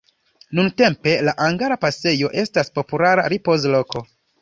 Nuntempe la Angara pasejo estas populara ripoz-loko.